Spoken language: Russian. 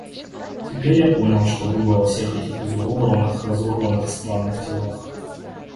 Теперь я понял, что было во всех этих изуродованных, разорванных, странных телах.